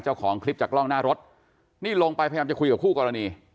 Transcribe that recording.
เจ้าของคลิปจากกล้องหน้ารถนี่ลงไปพยายามจะคุยกับคู่กรณี